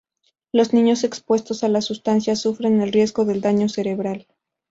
Los niños expuestos a la sustancia sufren el riesgo de daño cerebral.